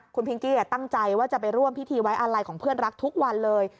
คุณพิงกี้ตั้งใจว่าจะไปร่วมพิธีไว้อาลัยของเพื่อนรักทุกวันเลย